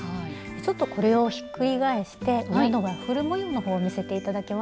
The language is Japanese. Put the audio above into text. ちょっとこれをひっくり返して上のワッフル模様の方を見せて頂けますか？